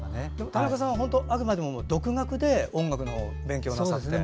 田中さんはあくまでも独学で音楽の勉強をなさって。